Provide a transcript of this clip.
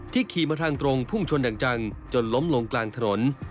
ขี่มาทางตรงพุ่งชนอย่างจังจนล้มลงกลางถนน